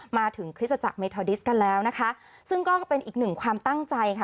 คริสตจักรเมทอดิสกันแล้วนะคะซึ่งก็เป็นอีกหนึ่งความตั้งใจค่ะ